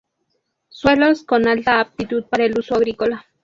Suelos con alta aptitud para el uso agrícola.